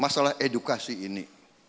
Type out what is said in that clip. dalam masalah edukasi ini